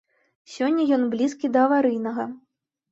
Сёння ён блізкі да аварыйнага.